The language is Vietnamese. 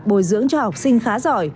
bồi dưỡng cho học sinh khá rõ